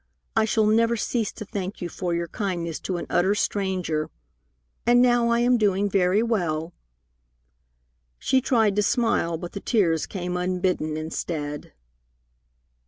I shall never cease to thank you for your kindness to an utter stranger. And now I am doing very well." She tried to smile, but the tears came unbidden instead.